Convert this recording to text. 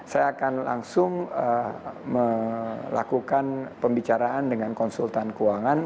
saya akan langsung melakukan pembicaraan dengan konsultan keuangan